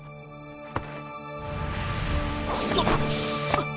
あっ！